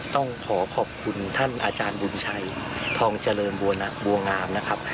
ต้องขอขอบคุณท่านอาจารย์บุญชัยทองเจริญบัวงามนะครับ